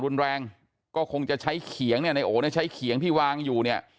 รุนแรงก็คงจะใช้เขียงเนี่ยในโอเนี่ยใช้เขียงที่วางอยู่เนี่ย